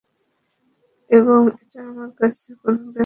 এবং এটা আমার কাছে কোনো ব্যাপারই না।